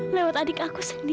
lewat adik aku sendiri